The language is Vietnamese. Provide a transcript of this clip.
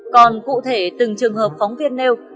còn cụ thể từng trường hợp phóng viên nêu